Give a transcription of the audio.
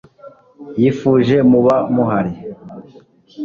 yifuje muba muhari